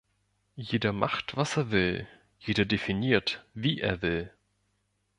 Jeder macht, was er will, jeder definiert, wie er will.